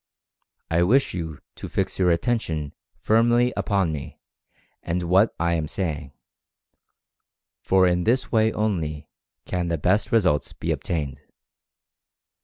I wish you to fix your attention firmly upon me and what I am saying, for in this way only can the best results be obtained.